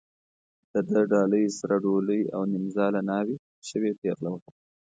د ده ډالۍ سره ډولۍ او نیمزاله ناوې شوې پېغله وه.